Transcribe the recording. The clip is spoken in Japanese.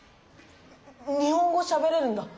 日本語しゃべられるんだ。